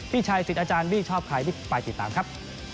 พี่ชัยสิทธิ์อาจารย์บี้ชอบใครไปติดตามครับ